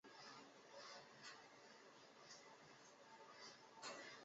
属卢布林总教区。